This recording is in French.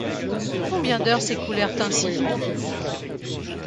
Combien d’heures s’écoulèrent ainsi?